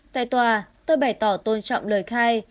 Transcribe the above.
tại tòa tôi bày tỏ tôn trọng lời khai